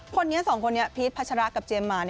พวกนี้สองคนนี้พีธภาชาระกับเจมส์มาร์